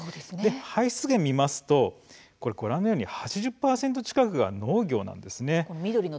排出源を見ますとご覧のように８０％近くが農業なんです。